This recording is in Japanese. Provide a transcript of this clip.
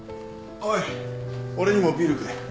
おい俺にもビールくれ。